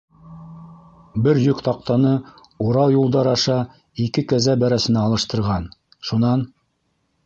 Бер йөк таҡтаны урау юлдар аша ике кәзә бәрәсенә алыштырған -шунан?